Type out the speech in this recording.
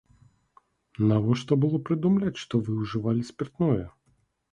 Навошта было прыдумляць, што вы ўжывалі спіртное?